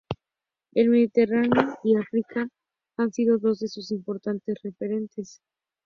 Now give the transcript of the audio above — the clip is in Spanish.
El Mediterráneo y África han sido dos de sus más importantes referentes.